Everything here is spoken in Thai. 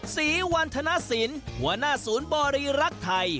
ศรีวันธนสินหัวหน้าศูนย์บริรักษ์ไทย